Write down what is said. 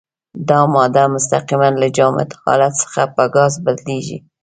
دا ماده مستقیماً له جامد حالت څخه په ګاز بدلیږي.